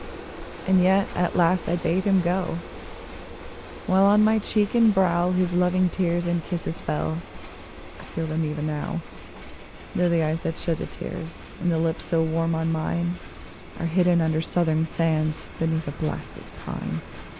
And yet at last I bade him go, while on my cheek and brow His loving tears and kisses fell ; I feel them even now, Though the eyes that shed the tears, and the lips so warm on mine Are hidden under southern sands, beneath a blasted pine